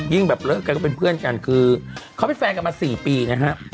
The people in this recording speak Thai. แบบเลิกกันก็เป็นเพื่อนกันคือเขาเป็นแฟนกันมา๔ปีนะฮะ